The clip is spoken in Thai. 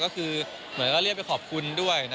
ก็คือเหมือนก็เรียกไปขอบคุณด้วย